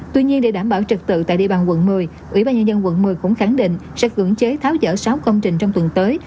tuy nhiên để đảm bảo trực tự tại địa bàn quận một mươi ủy ban nhân dân quận một mươi cũng khẳng định sẽ cưỡng chế tháo dỡ sáu công trình trong tuần tới